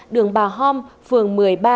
đường bà hôm phường một mươi ba